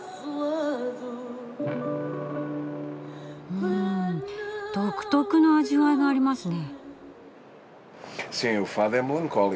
うん独特の味わいがありますね。